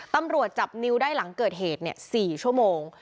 ตำรวจจับนิวได้หลังเกิดเหตุ๔ชั่วโมง